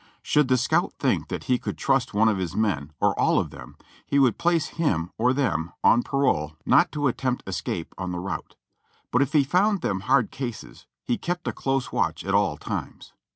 Should the scout think that he could trust one of his men or all of them, he would place him or them on parole not to attempt escape on the route ; but if he found them hard cases he kept a close watch at all times.